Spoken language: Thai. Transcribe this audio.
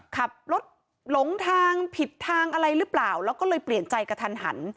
ขับรถหลงทางผิดทางอะไรหรือเปล่าแล้วก็เลยเปลี่ยนใจกระทันหัน